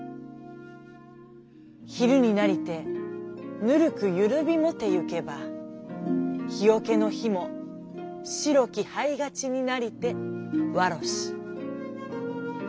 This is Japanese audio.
昼になりてぬるくゆるびもていけば火桶の火も白き灰がちになりてわろし」。